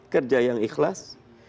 kerja yang ikhlas